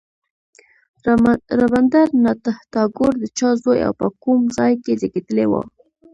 رابندر ناته ټاګور د چا زوی او په کوم ځای کې زېږېدلی و.